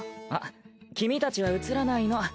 あっ君たちは映らないの。